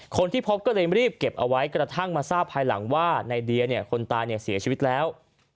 คนที่พบก็เลยรีบเก็บเอาไว้กระทั่งมาทราบภายหลังว่าในเดียคนตายเสียชีวิตแล้ว